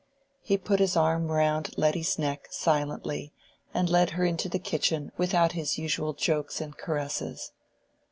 He put his arm round Letty's neck silently, and led her into the kitchen without his usual jokes and caresses.